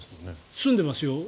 住んでますよ。